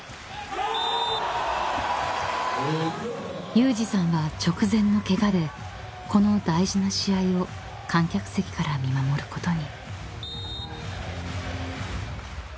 ［有志さんは直前のケガでこの大事な試合を観客席から見守ることに］